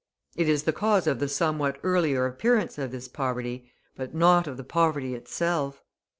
It is the cause of the somewhat earlier appearance of this poverty, but not of the poverty itself.